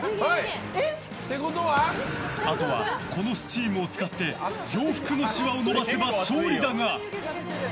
あとは、このスチームを使って洋服のしわを伸ばせば勝利だが。